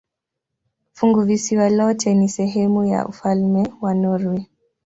Funguvisiwa lote ni sehemu ya ufalme wa Norwei.